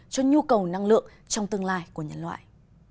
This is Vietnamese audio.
cho nhu cầu năng lượng trong tương lai của nhân loại